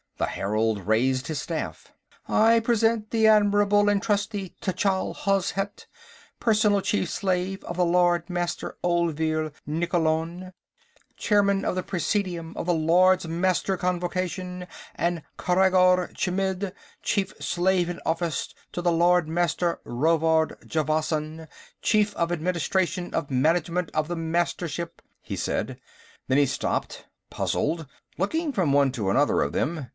The herald raised his staff. "I present the Admirable and Trusty Tchall Hozhet, personal chief slave of the Lord Master Olvir Nikkolon, Chairman of the Presidium of the Lords Master's Convocation, and Khreggor Chmidd, chief slave in office to the Lord Master Rovard Javasan, Chief of Administration of Management of the Mastership," he said. Then he stopped, puzzled, looking from one to another of them.